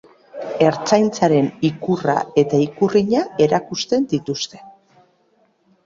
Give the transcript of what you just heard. Ertzaintzaren ikurra eta ikurrina erakusten dituzte.